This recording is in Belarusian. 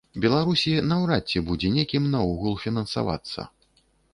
Беларусі, наўрад ці будзе некім наогул фінансавацца.